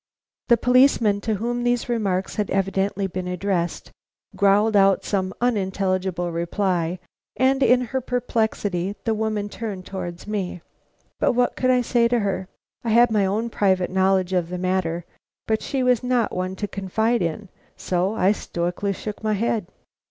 The policeman, to whom these remarks had evidently been addressed, growled out some unintelligible reply, and in her perplexity the woman turned towards me. But what could I say to her? I had my own private knowledge of the matter, but she was not one to confide in, so I stoically shook my head.